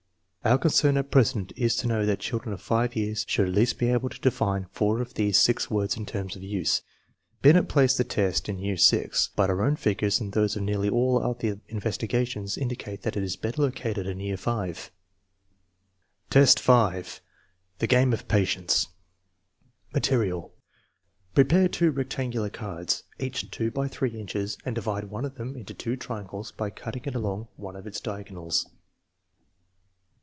Our concern at present is to know that children of 5 years should at least be able to define four of these six words in terms of use. Binet placed the test in year VI, but our own figures and those of nearly all the other investigations indicate that it is better located in year V. V, 5. The game of patience Material. Prepare two rectangular cards, each % X 3 inches, and divide one of them into two triangles by cut ting it along one of its diagonals.